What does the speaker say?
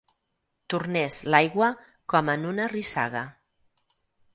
Tornés, l'aigua, com en una rissaga.